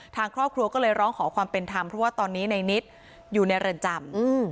ทางครอบครัวก็เลยร้องขอความเป็นธรรมเพราะว่าตอนนี้ในนิดอยู่ในเรือนจำ